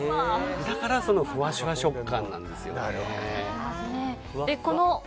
だからふわしゅわ食感なんですよ。